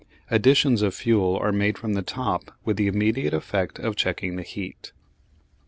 Additions of fuel are made from the top with the immediate effect of checking the heat.